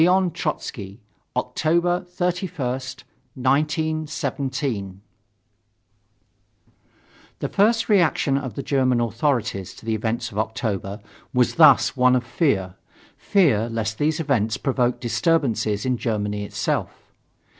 Trotzky, Oct. 31st, 1917."] The first reaction of the German authorities to the events of October was thus one of fear fear lest these events provoke disturbances in Germany itself.